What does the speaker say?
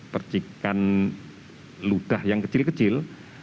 percikan ludah yang kecil kecil